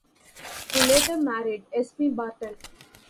He later married Esme Barton.